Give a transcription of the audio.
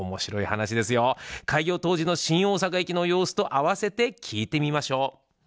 開業当時の新大阪駅の様子と併せて聞いてみましょう。